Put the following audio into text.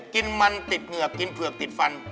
กินมันติดเหงือกกินเผือกติดฟัน